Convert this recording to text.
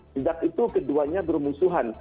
sebab itu keduanya bermusuhan